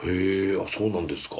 あそうなんですか。